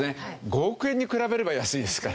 ５億円に比べれば安いですから。